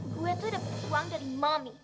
gue tuh dapet uang dari mami